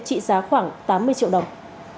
trị giá khoảng tám mươi triệu đồng